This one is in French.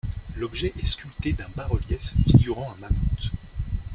L'objet est sculpté d'un bas-relief figurant un mammouth.